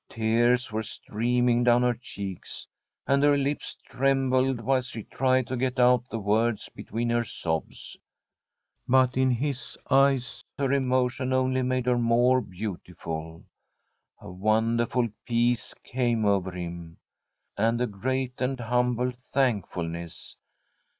Tears were streaming lUnvu her cheeks, and her lips trembled, whilst !<l\e tried to get out the words between her sobs. \\\\\ in hii eves her emotion only made her more bi'iiutitul A wonderful peace came over him, And '^ great and humble thankfulness.